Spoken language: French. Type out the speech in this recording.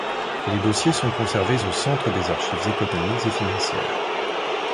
Les dossiers sont conservés au Centre des archives économiques et financières.